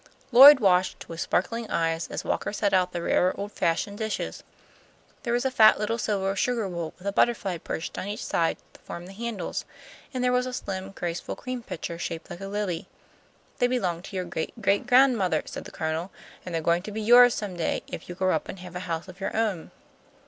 Lloyd watched with sparkling eyes as Walker set out the rare old fashioned dishes. There was a fat little silver sugar bowl with a butterfly perched on each side to form the handles, and there was a slim, graceful cream pitcher shaped like a lily. "They belonged to your great great grandmother," said the Colonel, "and they're going to be yours some day if you grow up and have a house of your own."